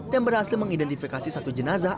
dan berhasil mengidentifikasi satu jenazah